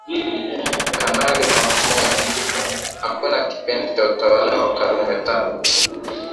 Kanali Mahfoudh hakuwa kipenzi cha utawala wa Karume tangu